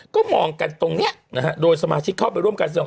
ก็มองกันตรงนี้โดยสมาชิกเข้าไปร่วมกัน